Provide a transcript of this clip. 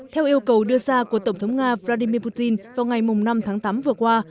theo yêu cầu đưa ra của tổng thống nga vladimir putin vào ngày năm tháng tám vừa qua